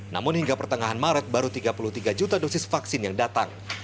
namun hingga pertengahan maret baru tiga puluh tiga juta dosis vaksin yang datang